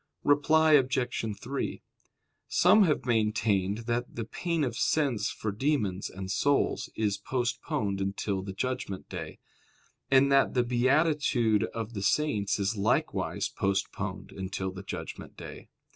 Reply Obj. 3: Some have maintained that the pain of sense for demons and souls is postponed until the judgment day: and that the beatitude of the saints is likewise postponed until the judgment day.